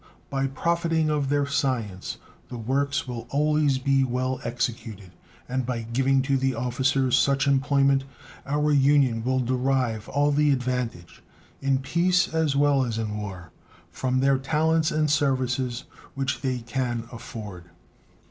By profiting of their science the works will always be well executed, and by giving to the officers such employment our Union will derive all the advantage, in peace as well as in war, from their talents and services which they can afford.